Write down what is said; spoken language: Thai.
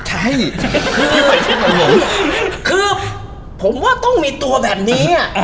ใช่คือผมว่าต้องมีตัวแบบนี้อ่ะ